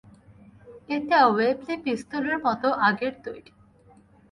এটা ওয়েবলি পিস্তলের মতো আগের তৈরি।